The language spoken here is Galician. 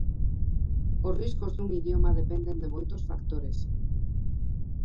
Os riscos dun idioma dependen de moitos factores.